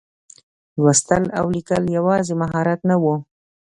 لوستل او لیکل یوازې مهارت نه و.